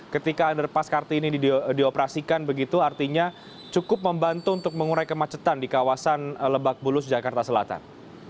ketika underpass kartini dioperasikan begitu artinya cukup membantu untuk mengurai kemacetan di kawasan lebak bulus jakarta selatan